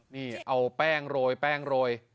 นี่เอาแป้งโรยแป้งโรย